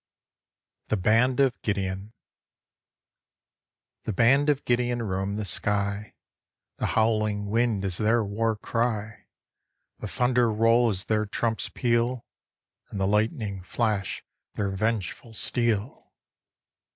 THE BAND OF GIDEON JOSEPH S. COTTER The Band of Gideon roam the sky, The howling wind is their war cry, The thunder's roll is their trump's peal, And the lightning's flash their vengeful steel.